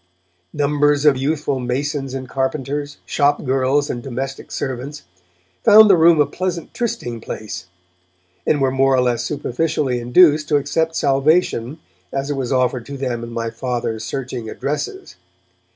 Numbers of youthful masons and carpenters, shop girls and domestic servants, found the Room a pleasant trysting place, and were more or less superficially induced to accept salvation as it was offered to them in my Father's searching addresses.